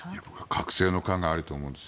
隔世の感があると思うんです。